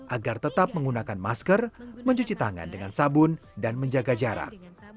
agar tetap menggunakan masker mencuci tangan dengan sabun dan menjaga jarak